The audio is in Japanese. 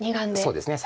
そうですね